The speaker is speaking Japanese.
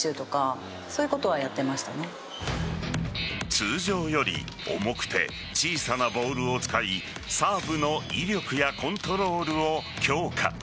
通常より重くて小さなボールを使いサーブの威力やコントロールを強化。